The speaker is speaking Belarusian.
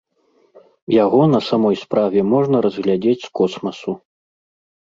Яго на самой справе можна разглядзець з космасу.